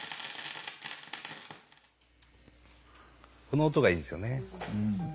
この音がいいですよね。